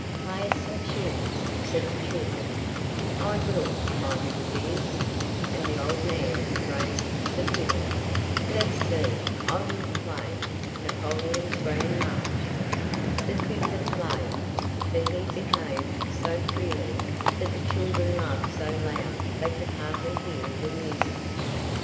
"Play us some tunes," said the children. "I will, my little dears;" and the old man raised the fiddle. "Let's see I will play 'Napoleon's Grand March.'" The fiddler played, but he behaved so queerly that the children laughed so loud they could hardly hear the music.